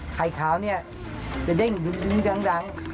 ไข่ขาวนี่จะเด้งดึงดึงดังดัง